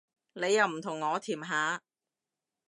你又唔同我甜下